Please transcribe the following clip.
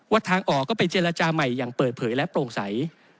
ทางออกก็ไปเจรจาใหม่อย่างเปิดเผยและโปร่งใส